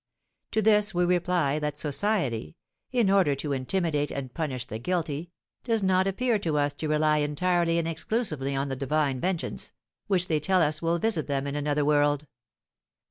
To this we reply that society, in order to intimidate and punish the guilty, does not appear to us to rely entirely and exclusively on the divine vengeance, which they tell us will visit them in another world.